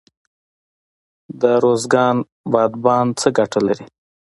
د ارزګان بادیان څه ګټه لري؟